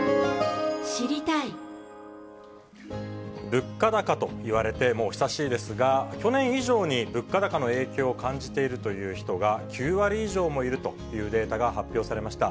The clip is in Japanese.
物価高といわれてもう久しいですが、去年以上に物価高の影響を感じているという人が、９割以上もいるというデータが発表されました。